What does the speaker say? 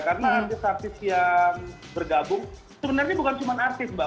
karena artis artis yang bergabung sebenarnya bukan cuma artis mbak